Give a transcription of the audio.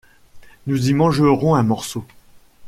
Nous y mangerons un morceau.